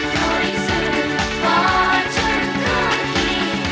โทรดิสุรุปปอดชุดคุกกี้